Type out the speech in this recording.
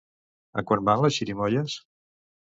A quant van les xirimoies?